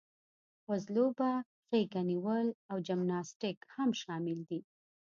وزلوبه، غېږه نیول او جمناسټیک هم شامل دي.